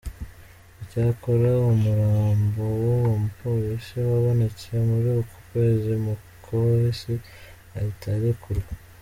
Icyakora umurambo w’uwo mupolisi wabonetse muri uku kwezi Mukhosi ahita arekurwa.